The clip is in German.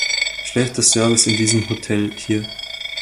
Schlechter Service in diesem Hotel hier!